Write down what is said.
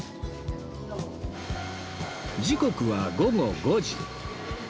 時刻は午後５時